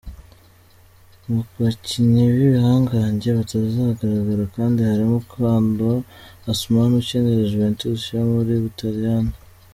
Mu bakinnyi b’ibihangange batazagaragara kandi harimo Kwadwo Asamoah ukinira Juventus yo mu Butaliyani.